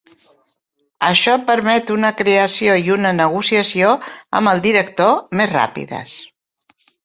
Això permet una creació i una negociació amb el director més ràpides.